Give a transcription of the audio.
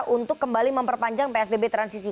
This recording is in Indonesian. untuk kembali memperpanjang psbb transisi